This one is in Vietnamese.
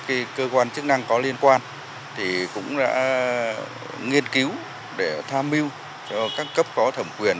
các cơ quan chức năng có liên quan thì cũng đã nghiên cứu để tham mưu cho các cấp có thẩm quyền